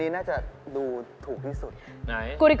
มี๓อย่างนะสอดไส้ครีม